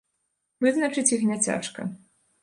Вызначыць іх не цяжка.